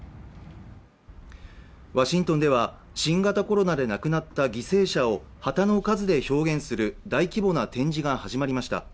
ワシントンでは、新型コロナで亡くなった犠牲者を旗の数で表現する大規模な展示が始まりました。